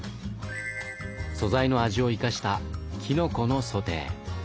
素材の味を生かしたきのこのソテー。